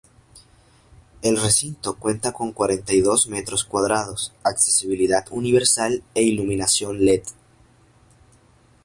El recinto cuenta con cuarenta y dos metros cuadrados, accesibilidad universal e iluminación led.